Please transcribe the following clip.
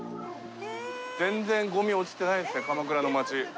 全然ゴミ落ちてないですね鎌倉の町。